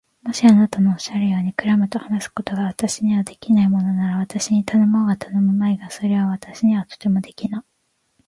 もしあなたのおっしゃるように、クラムと話すことが私にはできないものなら、私に頼もうが頼むまいが、それは私にはとてもできない相談というわけです。